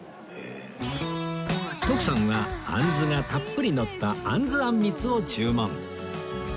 徳さんは杏がたっぷりのった杏あんみつを注文